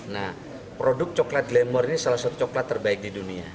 nah produk coklat glamour ini salah satu coklat terbaik di dunia